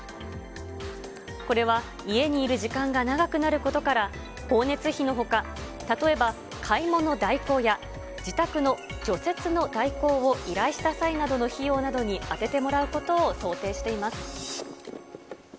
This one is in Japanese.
これは家にいる時間が長くなることから、光熱費のほか、例えば買い物代行や、自宅の除雪の代行を依頼した際などの費用などに充ててもらうことを想定しています。